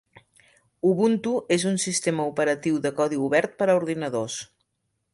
Ubuntu és un sistema operatiu de codi obert per a ordinadors.